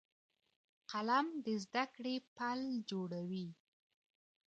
قلم د زده کړې پل جوړوي